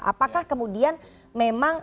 apakah kemudian memang